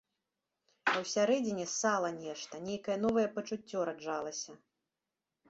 А ўсярэдзіне ссала нешта, нейкае новае пачуццё раджалася.